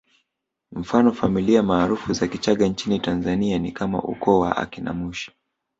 Mfano familia maarufu za Kichaga nchini Tanzania ni kama ukoo wa akina Mushi